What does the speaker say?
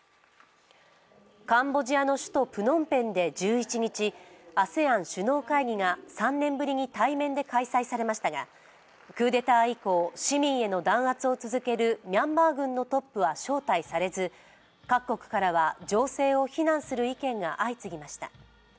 カンボジアの首都プノンペンで１１日、ＡＳＥＡＮ首脳会議が３年ぶりに対面で開催されましたがクーデター以降、市民への弾圧を続ける、ミャンマー軍のトップは招待されず、各国からは情勢を非難する意見が相次ぎました。